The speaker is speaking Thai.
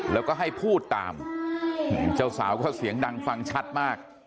แล้วก็ให้พูดตามเจ้าสาวก็เสียงดังฟังชัดมาก